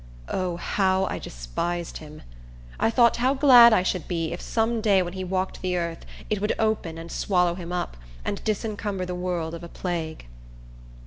O, how I despised him! I thought how glad I should be, if some day when he walked the earth, it would open and swallow him up, and disencumber the world of a plague.